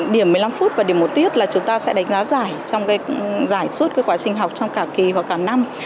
điểm một mươi năm phút và điểm một tiết là chúng ta sẽ đánh giá giải trong giải suốt quá trình học trong cả kỳ và cả năm